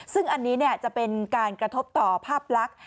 ซึ่งอันนี้จะเป็นการกระทบต่อภาพลักษณ์